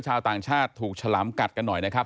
ชาวต่างชาติถูกฉลามกัดกันหน่อยนะครับ